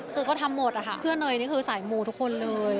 คือก็ทำหมดอะค่ะเพื่อนเนยนี่คือสายมูทุกคนเลย